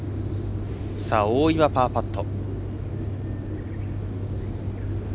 大岩、パーパット。